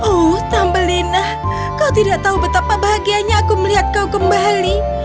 oh tambelina kau tidak tahu betapa bahagianya aku melihat kau kembali